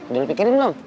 jadi lo pikirin belum